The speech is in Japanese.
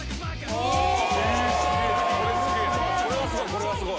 これはすごい。